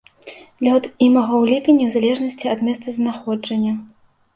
Лёт імага ў ліпені ў залежнасці ад месцазнаходжання.